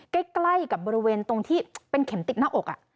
ใกล้กับบริเวณตรงที่เป็นเข็มติดหน้าอก